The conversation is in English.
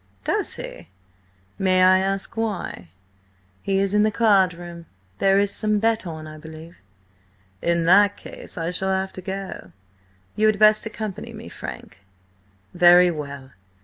"Does he? May I ask why?" "He is in the card room. There is some bet on, I believe." "In that case I shall have to go. You had best accompany me, Frank." "Very well.